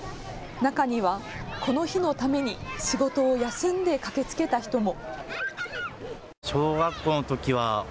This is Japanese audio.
中には、この日のために仕事を休んで駆けつけた人も。